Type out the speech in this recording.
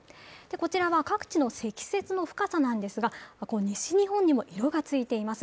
こちらは各地の積雪の深さなんですが、西日本にも色が着いています。